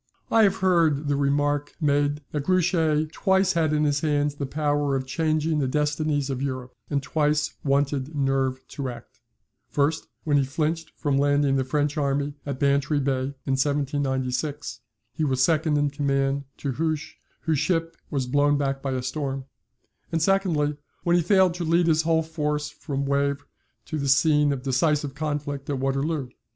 [I have heard the remark made that Grouchy twice had in his hands the power of changing the destinies of Europe, and twice wanted nerve to act: first when he flinched from landing the French army at Bantry Bay in 1796 (he was second in command to Hoche, whose ship was blown back by a storm), and secondly, when he failed to lead his whole force from Wavre to the scene of decisive conflict at Waterloo.